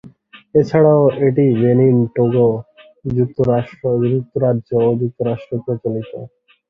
এছাড়াও এটি Benin, Togo, যুক্তরাজ্য, ও যুক্তরাষ্ট্রে প্রচলিত।